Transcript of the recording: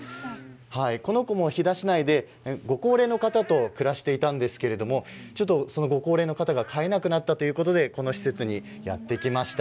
この子も飛騨市内でご高齢の方と暮らしていたんですけれどもご高齢の方が飼えなくなったということでこの施設にやって来ました。